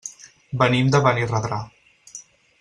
Venim de Benirredrà.